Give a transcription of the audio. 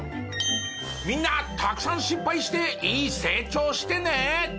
みんなたくさん失敗していい成長してね！